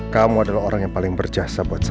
kamu adalah orang yang paling berjasa buat saya